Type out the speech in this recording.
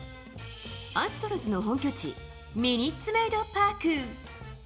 アストロズの本拠地、ミニッツメイド・パーク。